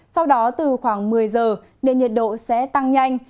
sau đó từ khoảng một mươi giờ nên nhiệt độ sẽ tăng nhanh